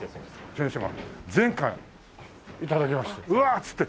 先生が全巻頂きまして「うわあ！」つって。